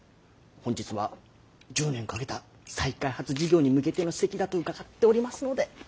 本日は１０年かけた再開発事業に向けての席だと伺っておりますので。